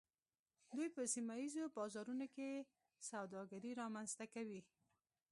دوی په سیمه ایزو بازارونو کې سوداګري رامنځته کوي